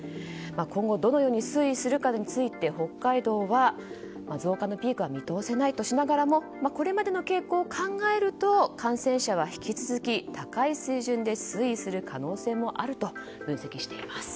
今後どのように推移するかについて北海道は増加のピークは見通せないとしながらもこれまでの傾向を考えると感染者は引き続き高い水準で推移する可能性もあると分析しています。